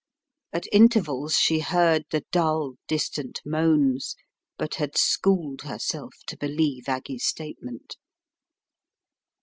At intervals she heard the dull, distant moans, but had schooled herself to believe Aggie's statement.